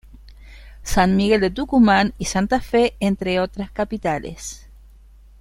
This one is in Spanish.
San Miguel de Tucumán y Santa Fe entre otras capitales.